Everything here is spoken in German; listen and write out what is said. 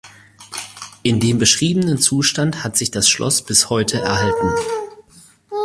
In dem beschriebenen Zustand hat sich das Schloss bis heute erhalten.